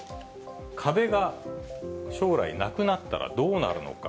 壁が将来なくなったらどうなるのか。